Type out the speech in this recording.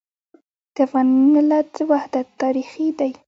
د افغان ملت وحدت تاریخي دی.